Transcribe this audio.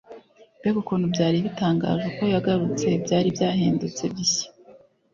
Mbega ukuntu byari bitangaje uko yagarutse, byari byahindutse bishya!